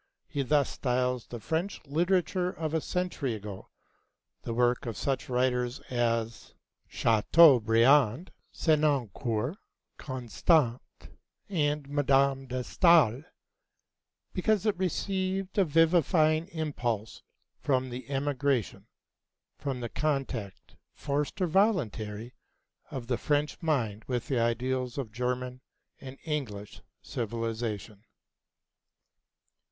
He thus styles the French literature of a century ago, the work of such writers as Chateaubriand, Senancour, Constant, and Madame de Staël, because it received a vivifying impulse from the emigration, from the contact, forced or voluntary, of the French mind with the ideals of German and English civilization.